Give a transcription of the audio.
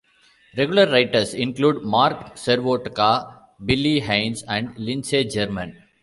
Regular writers include Mark Serwotka, Billy Hayes and Lindsey German.